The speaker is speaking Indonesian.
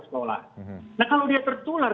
sekolah nah kalau dia tertular